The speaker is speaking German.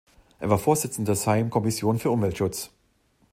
Er war Vorsitzender der Sejm-Kommission für Umweltschutz.